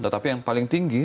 tetapi yang paling tinggi